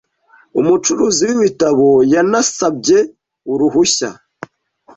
umucuruzi w'ibitabo yanasabye uruhushya